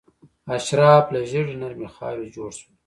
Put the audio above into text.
اشراف له ژیړې نرمې خاورې جوړ شول.